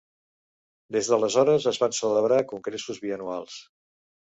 Des d'aleshores es van celebrar congressos bianuals.